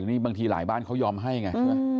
โอ้โหค่ะบางทีหลายบ้านเขายอมให้ไง